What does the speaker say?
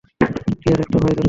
টিয়ার একটা ভাই দরকার।